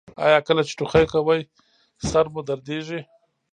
ایا کله چې ټوخی کوئ سر مو دردیږي؟